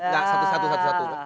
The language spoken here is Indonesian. nah satu satu satu satu